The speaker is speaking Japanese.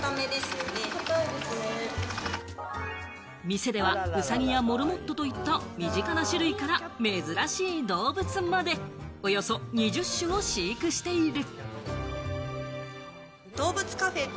店ではウサギやモルモットといった身近な種類から珍しい動物まで、およそ２０種を飼育している。